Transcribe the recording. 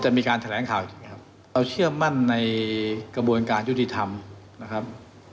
มีการแถลงข่าวเอาเชื่อมั่นในกระบวนการยุติธรรมนะครับ